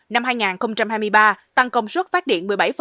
năm hai nghìn hai mươi ba tăng công suất phát điện